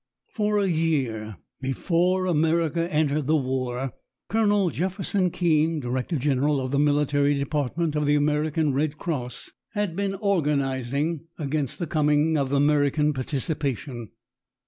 For a year before America entered the war Colonel Jefferson Kean, director general of the military department of the American Red Cross, had been organizing against the coming of American participation.